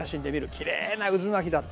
きれいな渦巻きだった。